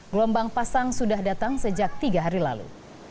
gelombang pasang sudah datang sejak tiga hari lalu